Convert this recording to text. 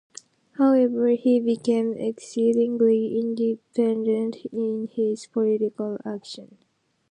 However, he became exceedingly independent in his political action.